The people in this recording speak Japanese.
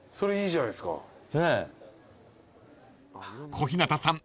［小日向さん